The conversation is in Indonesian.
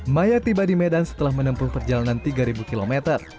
maya tiba di medan setelah menempuh perjalanan tiga km